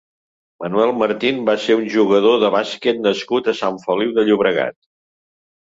Manuel Martín va ser un jugador de bàsquet nascut a Sant Feliu de Llobregat.